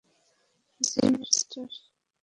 জি, master.